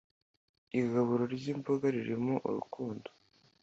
Igaburo ry’imboga ririmo urukundo